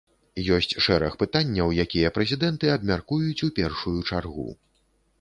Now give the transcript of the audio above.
Ёсць шэраг пытанняў, якія прэзідэнты абмяркуюць у першую чаргу.